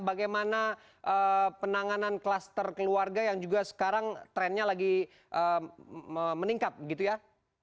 bagaimana penanganan klaster keluarga yang juga sekarang trennya lagi meningkat gitu ya